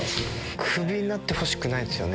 クビになってほしくないですよね。